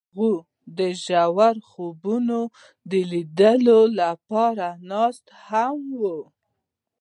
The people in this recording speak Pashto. هغوی د ژور خوبونو د لیدلو لپاره ناست هم وو.